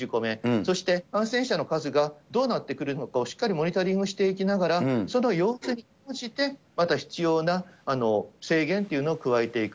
そして、感染者の数がどうなってくるのかをしっかりモニタリングしていきながら、その様相に応じて、また必要な制限というのを加えていく。